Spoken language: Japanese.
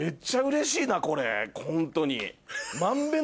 これホントに。